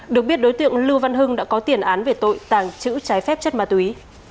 được biết đối tượng lưu văn hưng đã có tiền án về tội tàng trữ trái phép chất ma túy